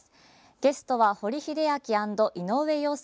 ゲストは堀秀彰＆井上陽介